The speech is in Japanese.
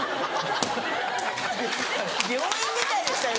びょ病院みたいでしたよ